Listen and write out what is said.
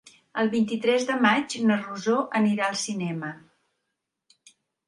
El vint-i-tres de maig na Rosó anirà al cinema.